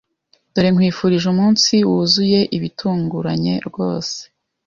Dore nkwifurije umunsi wuzuye ibitunguranye rwose